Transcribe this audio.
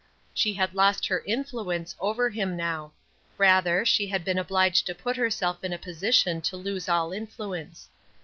She had lost her influence over him now; rather, she had been obliged to put herself in a position to lose all influence.